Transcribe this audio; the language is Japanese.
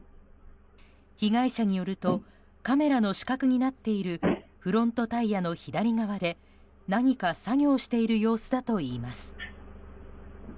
被害者によるとカメラの死角になっているフロントタイヤの左側で何か作業している様子だといいます。